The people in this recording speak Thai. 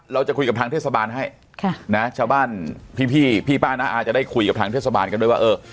เราจะคุยกับทางเทศบาลให้ค่ะนะชาวบ้านพี่พี่ป้าน้าอาจะได้คุยกับทางเทศบาลกันด้วยว่าเออ